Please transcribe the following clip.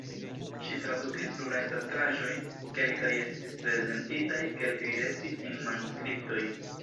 Ŝi tradukis plurajn teatraĵojn, kelkaj estis prezentitaj, kelkaj restis en manuskriptoj.